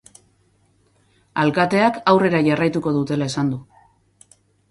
Alkateak aurrera jarraituko dutela esan du.